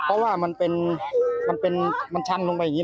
เพราะว่ามันเป็นชั้นลงไปอย่างนี้เลยพี่